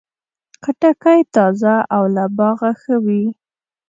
خټکی تازه او له باغه ښه وي.